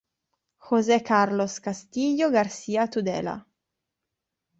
José Carlos Castillo García-Tudela